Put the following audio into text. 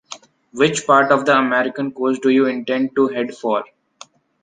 which part of the American coast do you intend to head for?